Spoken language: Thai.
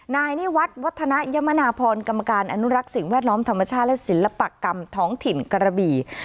นายนิวัฒน์วัฒนยมนาพรกรรมการอนุรักษ์สิ่งแวดล้อมธรรมชาติและศิลปกรรมท้องถิ่นกระบี่